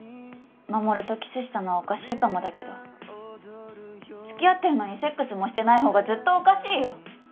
衛とキスしたのはおかしいかもだけど付き合ってるのにセックスもしてない方がずっとおかしいよ